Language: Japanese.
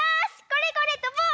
これこれ！とぼう！